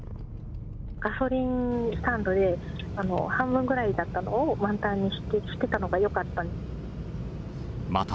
ガソリンスタンドで半分ぐらいだったのを、満タンにしてたのがよかった。